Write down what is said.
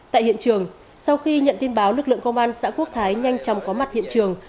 tại hiện trường sau khi nhận tin báo lực lượng công an xã quốc thái nhanh chóng có mặt hiện trường